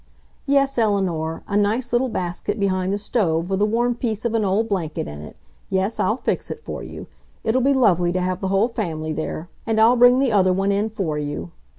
"Yes, Eleanor, a nice little basket behind the stove with a warm piece of an old blanket in it. Yes, I'll fix it for you. It'll be lovely to have the whole family there. And I'll bring the other one in for you."